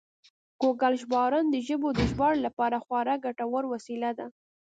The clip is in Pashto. ګوګل ژباړن د ژبو د ژباړې لپاره خورا ګټور وسیله ده.